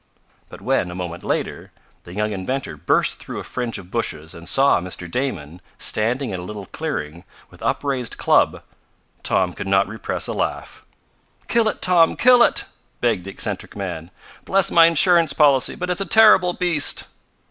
But when, a moment later, the young inventor burst through a fringe of bushes and saw Mr. Damon standing in a little clearing, with upraised club, Tom could not repress a laugh. "Kill it, Tom! Kill it!" begged the eccentric man. "Bless my insurance policy, but it's a terrible beast!"